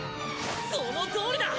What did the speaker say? そのとおりだ